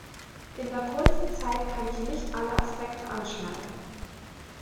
In der kurzen Zeit kann ich nicht alle Aspekte anschneiden.